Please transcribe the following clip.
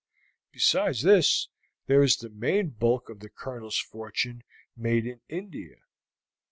Besides this, there is the main bulk of the Colonel's fortune made in India.